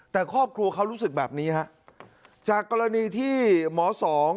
แต่ครอบครัวเขารู้สึกแบบนี้ฮะจากกรณีที่หมอสอง